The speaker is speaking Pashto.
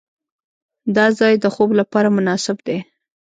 دا ځای د خوب لپاره مناسب دی.